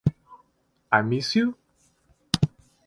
I miss you?